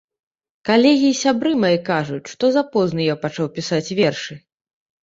Калегі і сябры мае кажуць, што запозна я пачаў пісаць вершы.